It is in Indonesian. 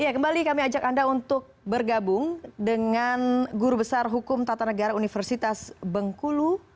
ya kembali kami ajak anda untuk bergabung dengan guru besar hukum tata negara universitas bengkulu